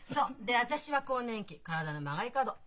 で私は更年期体の曲がり角。